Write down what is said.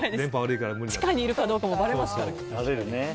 地下にいるかどうかもばれますからね。